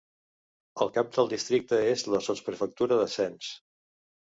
El cap del districte és la sotsprefectura de Sens.